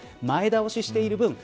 前倒ししている分